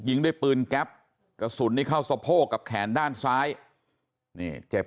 ยิงด้วยปืนแก๊ปกระสุนนี่เข้าสะโพกกับแขนด้านซ้ายนี่เจ็บ